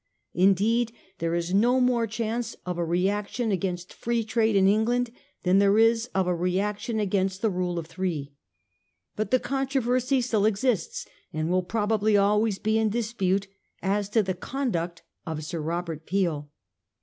Indeed, there is no more chance of a reaction against Free Trade in England than there is of a reaction against the rule of three. But the con troversy still exists, and will probably always be in dispute, as to the conduct of Sir Robert Peel.